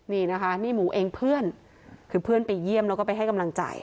นี่นะคะนี่หมูเองเพื่อนคือเพื่อนไปเยี่ยมแล้วก็ไปให้กำลังใจ